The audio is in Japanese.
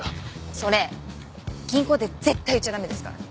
それ銀行で絶対言っちゃ駄目ですからね。